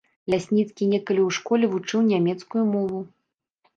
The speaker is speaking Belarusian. Лясніцкі некалі ў школе вучыў нямецкую мову.